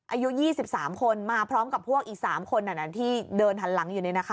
อายุ๒๓คนมาพร้อมกับพวกอีก๓คนที่เดินหันหลังอยู่นี่นะคะ